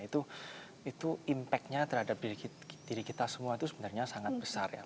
itu impact nya terhadap diri kita semua itu sebenarnya sangat besar ya